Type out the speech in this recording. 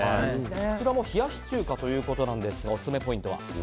こちらも冷やし中華ということなんですがオススメポイントは。